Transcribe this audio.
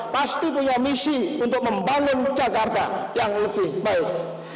pasti punya misi untuk membangun jakarta yang lebih baik